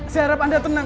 saya harap anda tenang